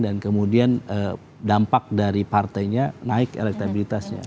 dan kemudian dampak dari partainya naik elektabilitasnya